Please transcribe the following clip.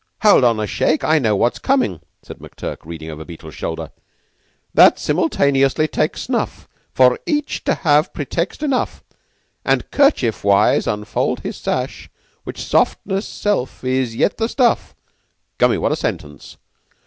"Hold on a shake; I know what's coming." McTurk was reading over Beetle's shoulder. "That simultaneously take snuff, For each to have pretext enough And kerchiefwise unfold his sash, Which softness' self is yet the stuff (Gummy! What a sentence!)